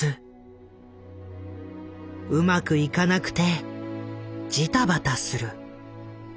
うまくいかなくてじたばたする。